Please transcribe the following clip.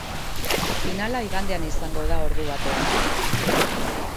Finala igandean izango da, ordu batean.